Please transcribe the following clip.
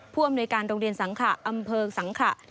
ผู้อำนวยการโรงเรียนสังขะอำเภอสังขะ